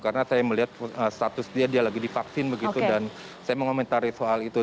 karena saya melihat status dia dia lagi divaksin begitu dan saya mengomentari soal itu